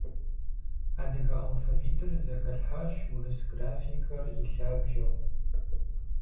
Адыгэ алфавитыр зэхэлъхьащ урыс графикэр и лъабжьэу.